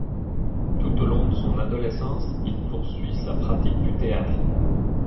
Tout au long de son adolescence il poursuit sa pratique du théâtre.